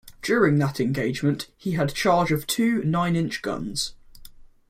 During that engagement he had charge of two nine-inch guns.